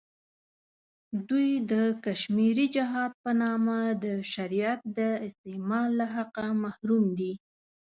دوی د کشمیري جهاد په نامه د شریعت د استعمال له حقه محروم دی.